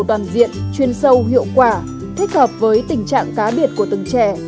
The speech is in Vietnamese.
toàn diện chuyên sâu hiệu quả thích hợp với tình trạng cá biệt của từng trẻ